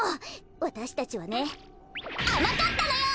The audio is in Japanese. わたしたちはねあまかったのよ！